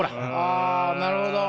あなるほど。